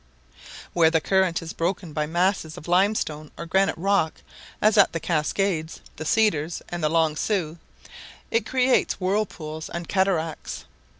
Where the current is broken by masses of limestone or granite rock, as at the Cascades, the Cedars, and the Long Sault, it creates whirlpools and cataracts.